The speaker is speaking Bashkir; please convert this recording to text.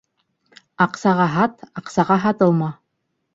Аҡсаға һат, аҡсаға һатылма.